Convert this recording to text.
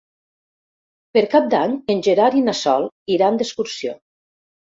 Per Cap d'Any en Gerard i na Sol iran d'excursió.